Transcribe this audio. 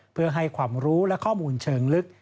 เพื่อให้ความรู้และข้อมูลเชิงลึก